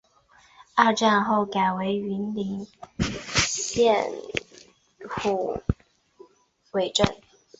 二战后改为云林县虎尾镇。